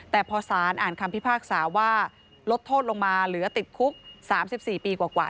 แต่พอสานอ่านคำพิพากษาว่าลดโทษลงมาเหลือติดคุกสามสิบสี่ปีกว่ากว่า